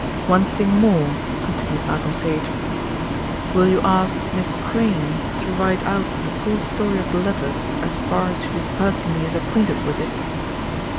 One thing more," continued Malcolm Sage, "will you ask Miss Crayne to write out the full story of the letters as far as she personally is acquainted with it?"